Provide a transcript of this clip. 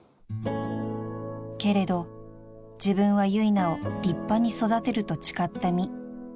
［けれど自分は由奈を立派に育てると誓った身］